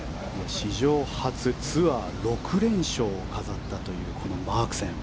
史上初ツアー６連勝を飾ったというこのマークセン。